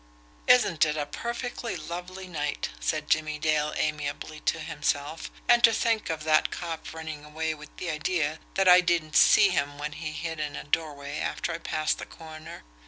"Isn't it a perfectly lovely night?" said Jimmie Dale amiably to himself. "And to think of that cop running away with the idea that I didn't see him when he hid in a doorway after I passed the corner!